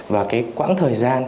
và cái quãng thời gian